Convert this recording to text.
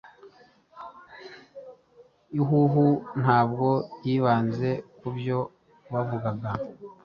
Ihuho ntabwo yibanze kubyo bavugaga